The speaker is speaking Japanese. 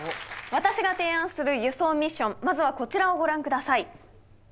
私が提案する輸送ミッションまずはこちらをご覧下さい。